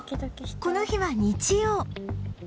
この日は日曜